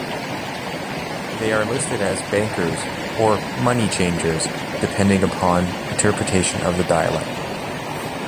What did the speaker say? They are listed as 'bankers' or 'money-changers' depending upon interpretation of the dialect.